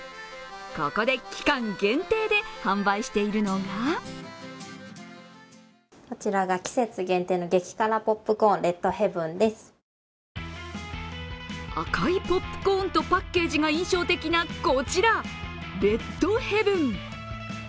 ここで期間限定で販売しているのが赤いポップコーンとパッケージが印象的なこちらレッドヘヴン。